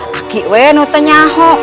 ketika itu tuh nyaho